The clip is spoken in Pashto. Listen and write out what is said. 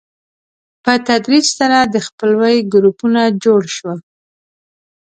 په تدریج سره د خپلوۍ ګروپونه جوړ شول.